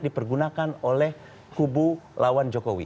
dipergunakan oleh kubu lawan jokowi